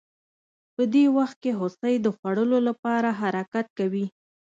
په دې وخت کې هوسۍ د خوړو لپاره حرکت کوي